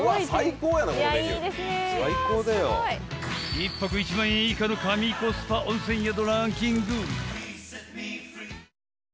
１泊１万円以下の神コスパ温泉宿ランキング。